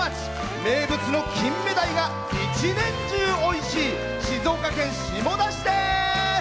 名物の金目鯛が一年中おいしい静岡県下田市です。